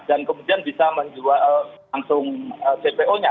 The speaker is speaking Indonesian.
dan kemudian bisa menjual langsung cpo nya